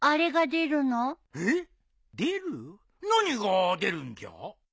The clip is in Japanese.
何が出るんじゃ？